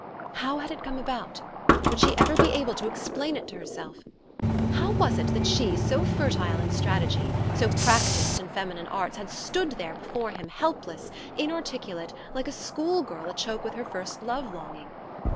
How had it come about? Would she ever be able to explain it to herself? How was it that she, so fertile in strategy, so practiced in feminine arts, had stood there before him, helpless, inarticulate, like a school girl a choke with her first love longing?